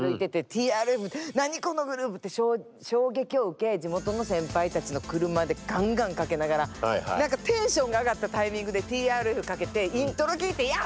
ＴＲＦ何このグループ？って衝撃を受け地元の先輩たちの車でガンガンかけながら何かテンションが上がったタイミングでＴＲＦかけてイントロ聴いてヤバー！